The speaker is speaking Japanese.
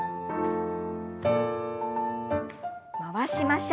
回しましょう。